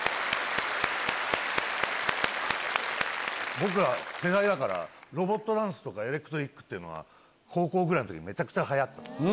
僕は世代だからロボットダンスとかエレクトロニックっていうのは高校ぐらいの時にめちゃくちゃ流行ったの。